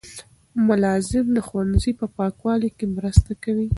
ملازم د ښوونځي په پاکوالي کې مرسته کوي.